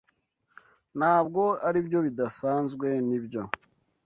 Ntabwo aribyo bidasanzwe, nibyo?